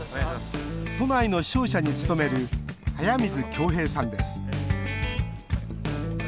都内の商社に勤める速水響平さんです。